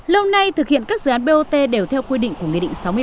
lâu nay thực hiện các dự án bot đều theo quy định của nghị định sáu mươi hai